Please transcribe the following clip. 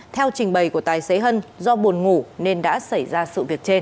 theo trình bày của tài xế hân do buồn ngủ nên đã xảy ra sự việc trên